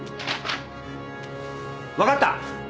分かった。